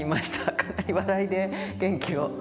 かなり笑いで元気を。